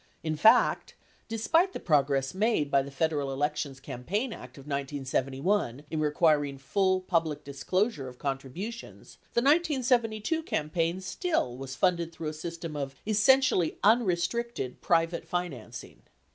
In fact, despite the progress made by the Federal Elections Cam paign Act of 1971, in requiring full public disclosure of contributions, the 1972 campaign still was funded through a system of essentially unrestricted, private financing.